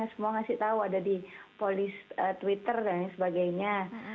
semua ngasih tahu ada di polis twitter dan sebagainya